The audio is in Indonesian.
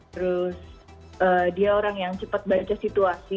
terus dia orang yang cepat baca situasi